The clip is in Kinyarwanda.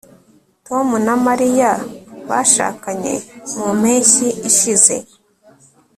tom na mariya bashakanye mu mpeshyi ishize